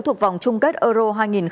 thuộc vòng chung kết euro hai nghìn hai mươi